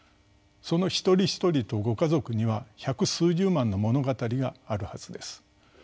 その一人一人とご家族には百数十万の物語があるはずです。